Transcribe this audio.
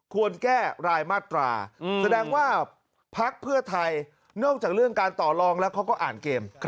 ควรแก้รายมาตราแสดงว่าพักเพื่อไทยนอกจากเรื่องการต่อลองแล้วเขาก็อ่านเกม